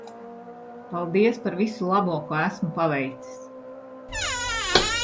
Paldies par visu labo ko esmu paveicis.